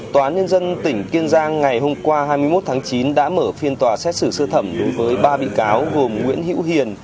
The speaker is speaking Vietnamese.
tòa án nhân dân tỉnh kiên giang ngày hôm qua hai mươi một tháng chín đã mở phiên tòa xét xử sơ thẩm đối với ba bị cáo gồm nguyễn hữu hiền